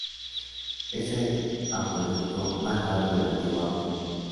Es el acueducto más largo de la antigua Roma.